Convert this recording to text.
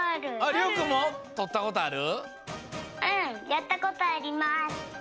やったことあります。